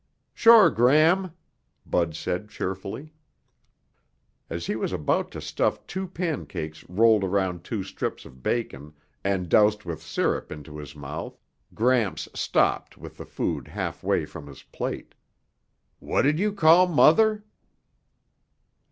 "Sure, Gram," Bud said cheerfully. As he was about to stuff two pancakes rolled around two strips of bacon and doused with syrup into his mouth, Gramps stopped with the food halfway from his plate. "What'd you call Mother?"